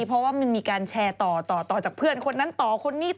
เพราะว่ามันมีการแชร์ต่อต่อจากเพื่อนคนนั้นต่อคนนี้